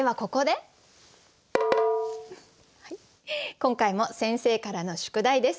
今回も先生からの宿題です。